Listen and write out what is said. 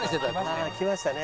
ああ来ましたね。